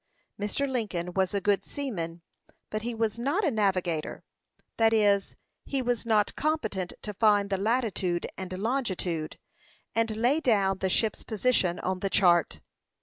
Mr. Lincoln was a good seaman, but he was not a navigator; that is, he was not competent to find the latitude and longitude, and lay down the ship's position on the chart.